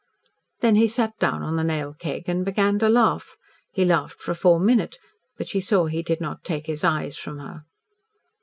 Then he sat down on the nail keg and began to laugh. He laughed for a full minute, but she saw he did not take his eyes from her.